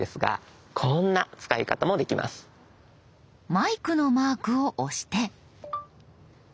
マイクのマークを押して。